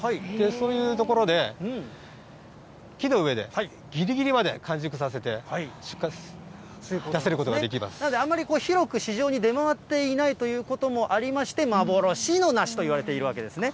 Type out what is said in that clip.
そういうところで、木の上でぎりぎりまで完熟させて、あんまり広く市場に出回っていないということもありまして、幻の梨といわれているわけですね。